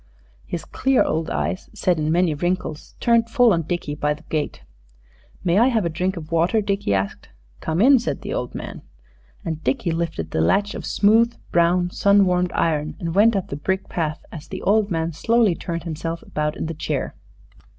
His clear old eyes set in many wrinkles turned full on Dickie by the gate. "May I have a drink of water?" Dickie asked. "Come in," said the old man. And Dickie lifted the latch of smooth, brown, sun warmed iron, and went up the brick path, as the old man slowly turned himself about in the chair.